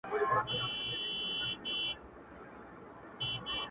موږه سپارلي دي د ښكلو ولېمو ته زړونه’